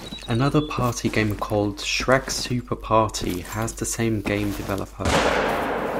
Another party game called "Shrek Super Party" has the same game developer.